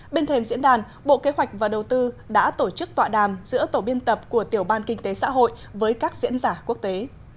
bên thềm diễn đàn bộ kế hoạch và đầu tư đã tổ chức tọa đàm giữa tổ biên tập của tiểu ban kinh tế xã hội với các diễn giả quốc tế